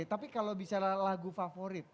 tapi kalau bicara lagu favorit